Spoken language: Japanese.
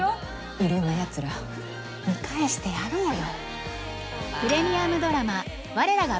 いろんなやつら見返してやろうよ。